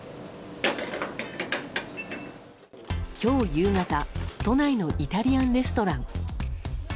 今日夕方都内のイタリアンレストラン。